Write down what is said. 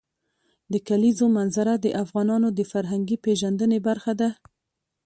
د کلیزو منظره د افغانانو د فرهنګي پیژندنې برخه ده.